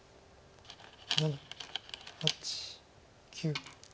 ７８９。